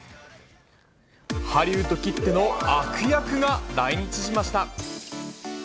ハリウッドきっての悪役が来日しました。